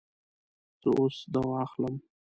زه اوس دوا اخلم